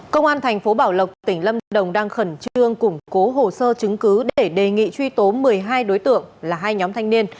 công an thành phố bảo lộc tỉnh lâm đồng đang khẩn trương củng cố hồ sơ chứng cứ để đề nghị truy tố một mươi hai đối tượng là hai nhóm thanh niên